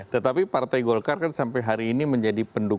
tetapi partai golkar kan sampai hari ini menjadi pendukung